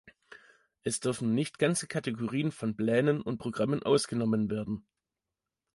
Es dürfen nicht ganze Kategorien von Plänen und Programmen ausgenommen werden.